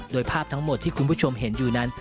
โดยภาพทั้งหมดที่คุณผู้ชมเห็นอยู่นั้น